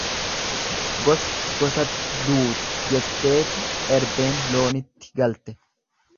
Gosti gosatti duuti jetteeti erbeen loonitti galte.